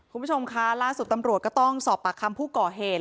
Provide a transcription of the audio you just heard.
คุณผู้ชมคะล่าสุดตำรวจก็ต้องสอบปากคำผู้ก่อเหตุ